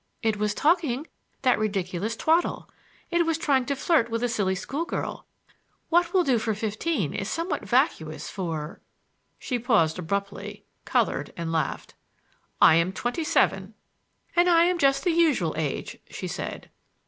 It was talking that ridiculous twaddle. It was trying to flirt with a silly school girl. What will do for fifteen is somewhat vacuous for—" She paused abruptly, colored and laughed. "I am twenty seven!" "And I am just the usual age," she said.